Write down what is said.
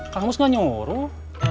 kamus gak nyuruh